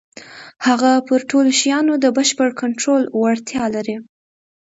هغه پر ټولو شيانو د بشپړ کنټرول وړتيا لري.